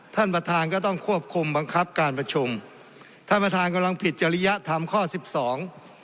ท่านประธานก็ต้องควบคุมบังคับการประชุมท่านประธานกำลังผิดจริยธรรมข้อสิบสอง